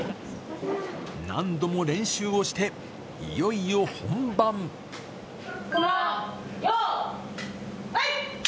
何度も練習をして、いよいよ本番、よーい。